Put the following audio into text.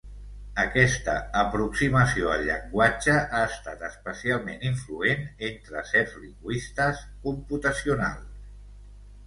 Aquesta aproximació al llenguatge ha estat especialment influent entre certs lingüistes computacionals.